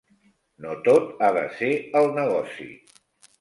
No tot ha de ser el negoci.